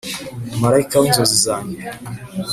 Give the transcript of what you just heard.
Marayika w ' inzozi zanjye,